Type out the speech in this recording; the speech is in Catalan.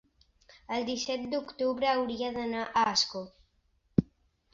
el disset d'octubre hauria d'anar a Ascó.